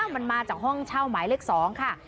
มันมาจากห้องเช่าหมายเลข๒ค่ะ